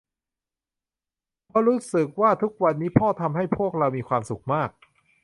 เพราะรู้สึกว่าทุกวันนี้พ่อทำให้พวกเรามีความสุขมาก